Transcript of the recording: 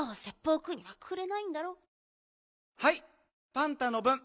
パンタのぶん。